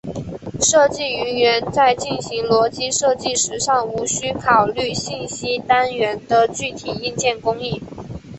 设计人员在进行逻辑设计时尚无需考虑信息单元的具体硬件工艺。